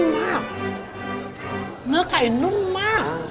นิ่มมากเนื้อไก่นุ่มมาก